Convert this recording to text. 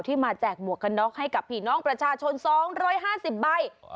มาแจกหมวกกันน็อกให้กับพี่น้องประชาชน๒๕๐ใบ